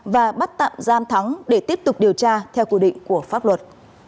và bắt tạm giam thắng để tiếp tục điều tra theo quy định của pháp luật